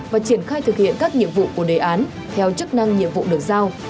và triển khai thực hiện các nhiệm vụ của đề án theo chức năng nhiệm vụ được giao